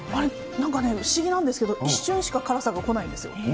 なんかね、不思議なんですけれども、一瞬しか辛さが来ないんですよ。